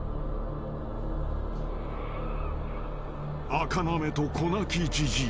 ［あかなめと子泣きじじい。